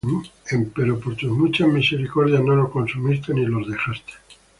Empero por tus muchas misericordias no los consumiste, ni los dejaste;